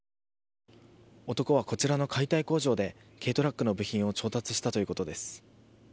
男はこちらの解体工場で軽トラックの部品を調達したということです。